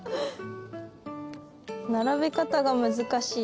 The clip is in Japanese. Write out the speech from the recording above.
並べ方が難しい。